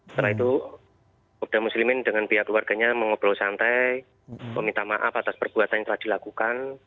setelah itu kopda muslimin dengan pihak keluarganya mengobrol santai meminta maaf atas perbuatan yang telah dilakukan